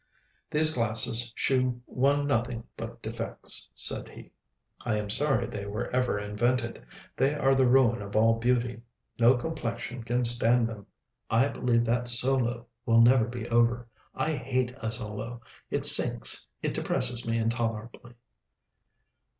"These glasses shew one nothing but defects," said he; "I am sorry they were ever invented. They are the ruin of all beauty; no complexion can stand them. I believe that solo will never be over! I hate a solo; it sinks, it depresses me intolerably."